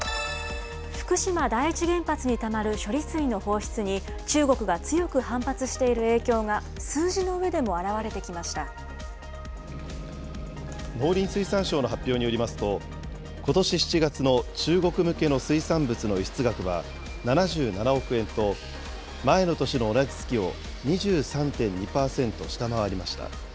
福島第一原発にたまる処理水の放出に、中国が強く反発している影響が、農林水産省の発表によりますと、ことし７月の中国向けの水産物の輸出額は７７億円と、前の年の同じ月を２３．２％下回りました。